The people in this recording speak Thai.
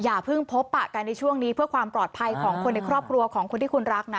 อย่าเพิ่งพบปะกันในช่วงนี้เพื่อความปลอดภัยของคนในครอบครัวของคนที่คุณรักนะ